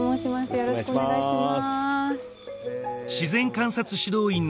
よろしくお願いします